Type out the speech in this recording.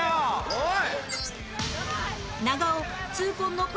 おい！